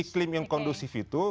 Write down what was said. iklim yang kondusif itu